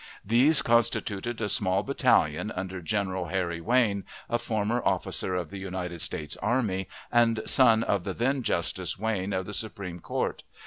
These constituted a small battalion, under General Harry Wayne, a former officer of the United States Army, and son of the then Justice Wayne of the Supreme Court.